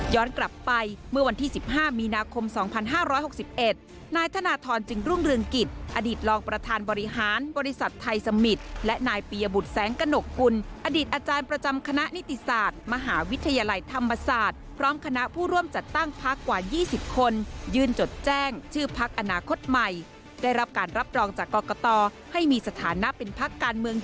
กลับไปเมื่อวันที่๑๕มีนาคม๒๕๖๑นายธนทรจึงรุ่งเรืองกิจอดีตรองประธานบริหารบริษัทไทยสมิตรและนายปียบุตรแสงกระหนกกุลอดีตอาจารย์ประจำคณะนิติศาสตร์มหาวิทยาลัยธรรมศาสตร์พร้อมคณะผู้ร่วมจัดตั้งพักกว่า๒๐คนยื่นจดแจ้งชื่อพักอนาคตใหม่ได้รับการรับรองจากกรกตให้มีสถานะเป็นพักการเมือง